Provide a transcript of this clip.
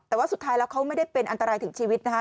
แต่ว่าสุดท้ายแล้วเขาไม่ได้เป็นอันตรายถึงชีวิตนะคะ